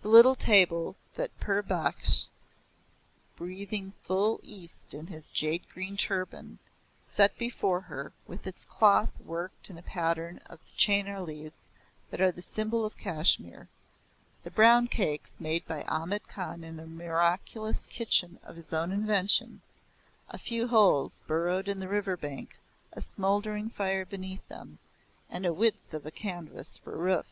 The little table that Pir Baksh, breathing full East in his jade green turban, set before her, with its cloth worked in a pattern of the chenar leaves that are the symbol of Kashmir; the brown cakes made by Ahmad Khan in a miraculous kitchen of his own invention a few holes burrowed in the river bank, a smoldering fire beneath them, and a width of canvas for a roof.